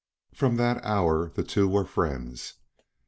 From that hour the two were friends.